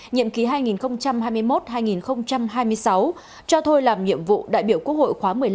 nhiệm ký hai nghìn hai mươi một hai nghìn hai mươi sáu cho thôi làm nhiệm vụ đại biểu quốc hội khóa một mươi năm